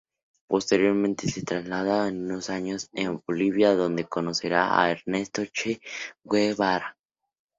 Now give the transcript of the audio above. Posteriormente se traslada unos años a Bolivia, donde conocerá a Ernesto Che Guevara.